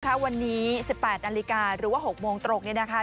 วันนี้๑๘นาฬิกาหรือว่า๖โมงตรงเนี่ยนะคะ